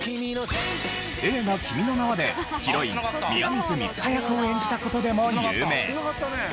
映画『君の名は。』でヒロイン宮水三葉役を演じた事でも有名。